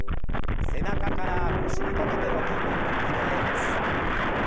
背中から腰にかけての筋肉を鍛えます。